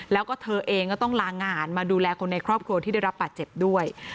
แล้วก็เธอเองก็ต้องลางานมาดูแลคนในครอบครัวที่ได้รับบาดเจ็บด้วย